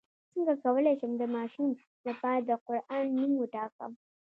څنګه کولی شم د ماشوم لپاره د قران نوم وټاکم